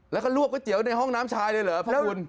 แล้วก็ลวกก๋วยเตี๋ยวในห้องน้ำชายเลยเหรอพี่อุ่น